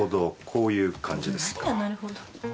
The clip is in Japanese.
こういう感じですね？